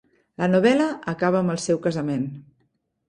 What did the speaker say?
La novel·la acaba amb el seu casament.